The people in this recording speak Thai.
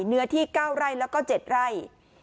เนื้อที่๙ไร่แล้วก็๗ไร่